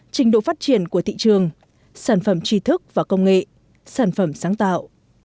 trình độ phát triển của thị trường sản phẩm tri thức và công nghệ sản phẩm sáng tạo